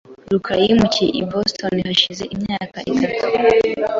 rukara yimukiye i Boston hashize imyaka itatu .